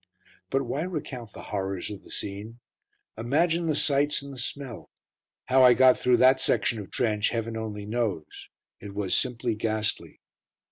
But why recount the horrors of the scene? Imagine the sights and the smell. How I got through that section of trench Heaven only knows. It was simply ghastly.